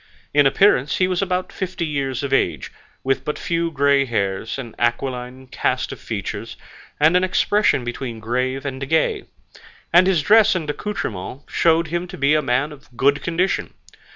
In appearance he was about fifty years of age, with but few grey hairs, an aquiline cast of features, and an expression between grave and gay; and his dress and accoutrements showed him to be a man of good condition.